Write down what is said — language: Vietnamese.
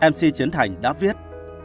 mc chiến thành đã viết